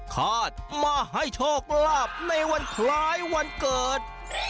ฆาตมาให้โชคลาภในวันคล้ายวันเกิด